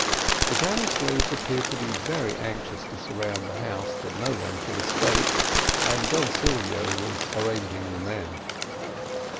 The galley slaves appeared to be very anxious to surround the house that no one should escape, and Don Silvio was arranging the men.